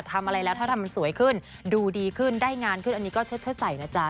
ทำอะไรแล้วถ้าทำมันสวยขึ้นดูดีขึ้นได้งานขึ้นอันนี้ก็เชิดใส่นะจ๊ะ